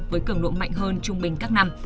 với cường độ mạnh hơn trung bình các năm